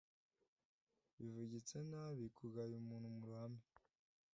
Bivugitse nabi kugaya umuntu mu ruhame